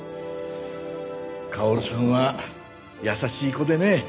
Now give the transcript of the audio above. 薫さんは優しい子でね。